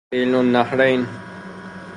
بین النهرین